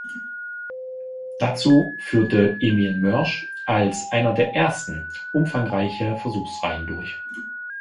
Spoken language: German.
Dazu führte Emil Mörsch als einer der Ersten umfangreiche Versuchsreihen durch.